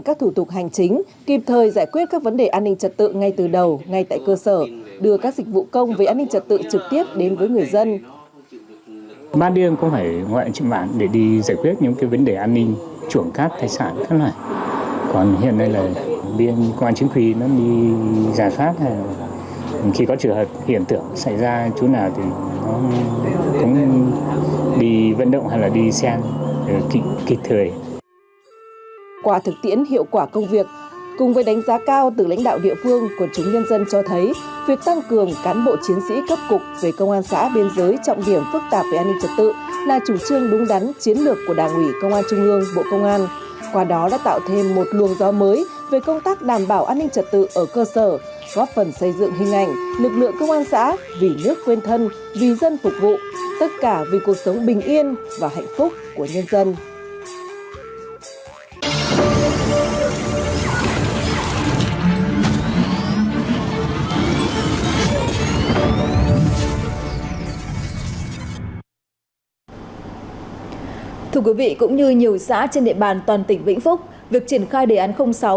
công an chính quy đã thực hiện các thủ tục hành chính kịp thời giải quyết các vấn đề an ninh trật tự ngay từ đầu ngay tại cơ sở đưa các dịch vụ công về an ninh trật tự trực tiếp đến với người dân